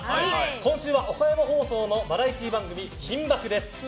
今週は岡山放送のバラエティー番組「金バク！」です。